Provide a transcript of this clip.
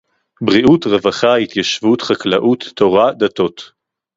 בריאות, רווחה, התיישבות, חקלאות, תורה, דתות